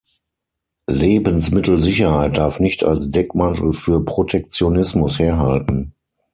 Lebensmittelsicherheit darf nicht als Deckmantel für Protektionismus herhalten.